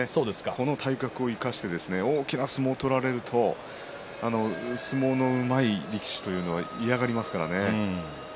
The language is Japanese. この体格を生かして大きな相撲を取られると相撲のうまい力士というのは嫌がりますからね。